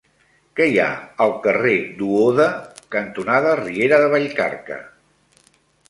Què hi ha al carrer Duoda cantonada Riera de Vallcarca?